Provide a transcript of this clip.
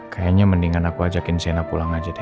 kayaknya mendingan aku ajakin sena pulang aja deh